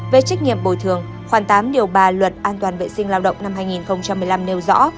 về trách nhiệm bồi thường khoảng tám điều ba luật an toàn vệ sinh lao động năm hai nghìn một mươi năm nêu rõ